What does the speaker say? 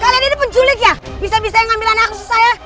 kalian ini penculik ya bisa bisa yang ngambil anak aku susah ya